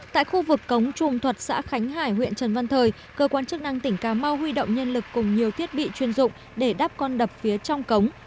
tại khu vực cống trung thuật xã khánh hải huyện trần văn thời cơ quan chức năng tỉnh cà mau huy động nhân lực cùng nhiều thiết bị chuyên dụng để đáp con đập phía trong cống